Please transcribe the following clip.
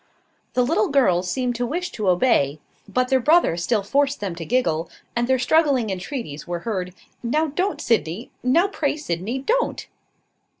The little girls seemed to wish to obey; but their brother still forced them to giggle; and their struggling entreaties were heard "Now don't, Sydney; now pray, Sydney, don't!"